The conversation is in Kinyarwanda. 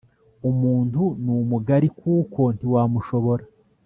Umuntu numugari kuko ntiwamushobora